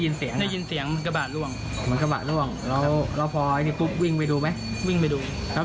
มีคนอยู่ช่อมไอโลลิกดำ